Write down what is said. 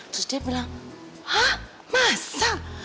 terus dia bilang ah masa